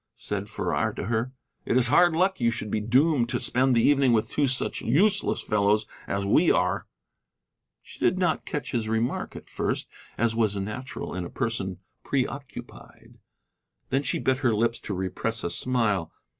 said Farrar to her. "It is hard luck you should be doomed to spend the evening with two such useless fellows as we are." She did not catch his remark at first, as was natural in a person preoccupied. Then she bit her lips to repress a smile.